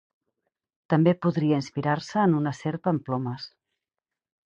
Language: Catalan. També podria inspirar-se en una serp amb plomes.